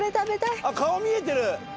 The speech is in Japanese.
あっ顔見えてる。